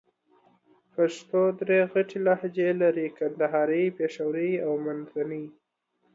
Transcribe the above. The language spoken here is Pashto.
پښتو درې غټ لهجې لرې: کندهارۍ، پېښورۍ او منځني.